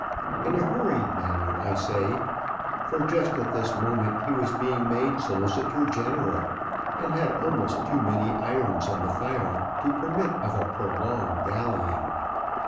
In a hurried manner, I say; for just at this moment he was being made solicitor general, and had almost too many irons in the fire to permit of a prolonged dallying.